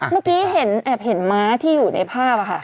เมื่อกี้เห็นแอบเห็นม้าที่อยู่ในภาพค่ะ